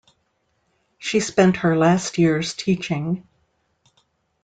She spent her last years teaching.